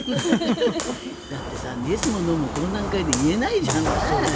だってイエスもノーもこの段階では言えないじゃない。